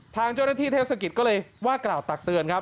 ทางเจ้าหน้าที่เทศกิจก็เลยว่ากล่าวตักเตือนครับ